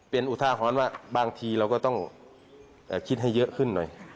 เป็นอุทาหรณ์ว่าบางทีเราก็ต้องคิดให้เยอะขึ้นหน่อย